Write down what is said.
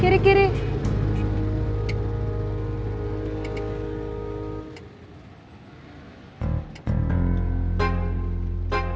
kamu tadi nyopet di pasar